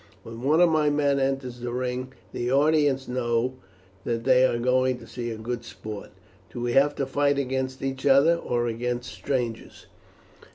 When one of my men enters the ring the audience know that they are going to see good sport." "Do we have to fight against each other, or against strangers?"